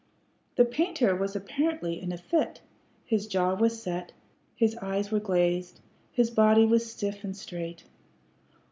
The painter was apparently in a fit; his jaw was set, his eyes were glazed, his body was stiff and straight.